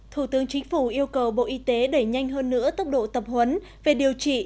thủ tướng chính phủ yêu cầu bộ y tế đẩy nhanh hơn nữa tốc độ tập huấn về điều trị